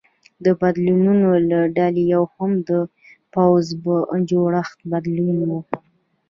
د بدلونونو له ډلې یو هم د پوځ جوړښت بدلول و